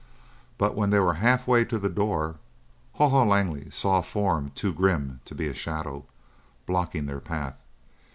But when they were half way to the door Haw Haw Langley saw a form too grim to be a shadow, blocking their path.